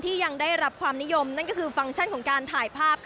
ยังได้รับความนิยมนั่นก็คือฟังก์ของการถ่ายภาพ